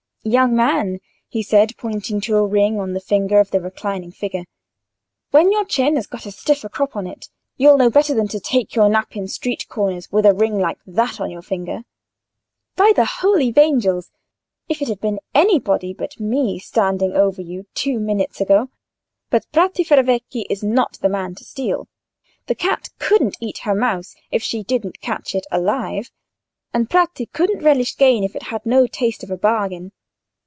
"Young man," he said, pointing to a ring on the finger of the reclining figure, "when your chin has got a stiffer crop on it, you'll know better than to take your nap in street corners with a ring like that on your forefinger. By the holy 'vangels! if it had been anybody but me standing over you two minutes ago—but Bratti Ferravecchi is not the man to steal. The cat couldn't eat her mouse if she didn't catch it alive, and Bratti couldn't relish gain if it had no taste of a bargain.